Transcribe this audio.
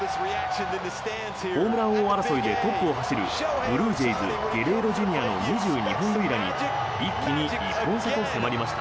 ホームラン王争いでトップを走るブルージェイズのゲレーロＪｒ．の２２本塁打に一気に１本差と迫りました。